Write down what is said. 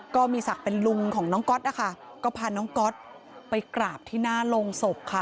ก็มีศักดิ์เป็นลุงของน้องก๊อตนะคะก็พาน้องก๊อตไปกราบที่หน้าโรงศพค่ะ